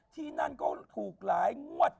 ที่นั่นก็ถูกหลายงวด